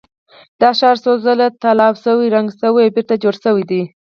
دا ښار څو څو ځله تالا شوی، ړنګ شوی او بېرته جوړ شوی دی.